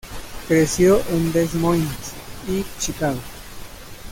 Creció en Des Moines y Chicago.